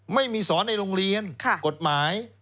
ไม่มีสอนในโรงเรียนกฎหมาย